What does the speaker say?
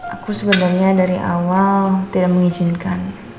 aku sebenarnya dari awal tidak mengizinkan